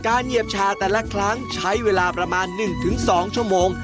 เหยียบชาแต่ละครั้งใช้เวลาประมาณ๑๒ชั่วโมง